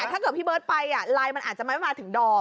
ถ้าเกิดพี่เบิร์ตไปไลน์มันอาจจะไม่มาถึงดอม